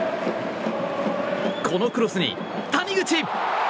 このクロスに谷口！